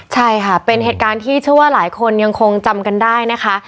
ใช่ค่ะเป็นเหตุการณ์ที่เชื่อว่าหลายคนยังคงจำกันได้นะคะ